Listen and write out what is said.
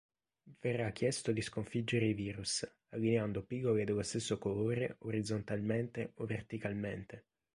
Verrà chiesto di sconfiggere i virus, allineando pillole dello stesso colore orizzontalmente o verticalmente.